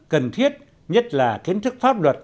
cần thiết nhất là kiến thức pháp luật